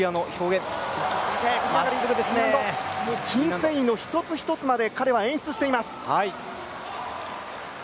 筋繊維の一つ一つまで彼は演出しています。